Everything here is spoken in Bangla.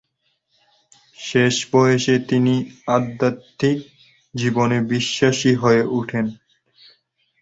শেষ বয়সে তিনি আধ্যাত্মিক জীবনে বিশ্বাসী হয়ে ওঠেন।